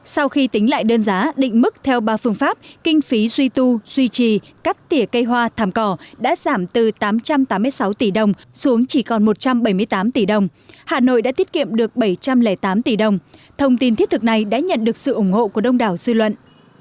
sau khi tính lại đơn giá định mức theo ba phương pháp kinh phí duy tu duy trì cắt tỉa cây hoa thảm cỏ đã giảm từ tám trăm tám mươi sáu tỷ đồng xuống chỉ còn một trăm bảy mươi tám tỷ đồng hà nội đã tiết kiệm được bảy trăm linh tám tỷ đồng thông tin thiết thực này đã nhận được sự ủng hộ của đông đảo dư luận